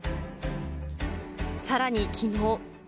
さらにきのう。